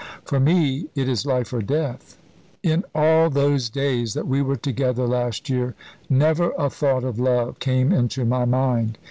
For me it is life or death. In all those days that we were together last year never a thought of love came into my mind.